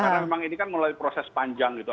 karena memang ini kan melalui proses panjang gitu